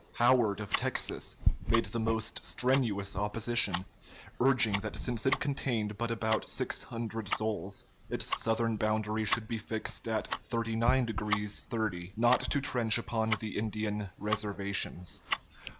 Howard, of Texas, made the most strenuous opposition, urging that since it contained but about six hundred souls, its southern boundary should be fixed at 39 degrees 30', not to trench upon the Indian reservations.